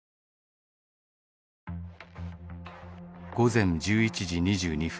午前１１時２２分。